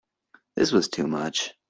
This was too much.